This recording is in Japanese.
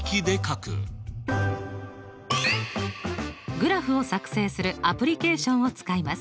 グラフを作成するアプリケーションを使います。